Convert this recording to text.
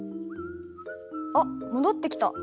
あっ戻ってきた。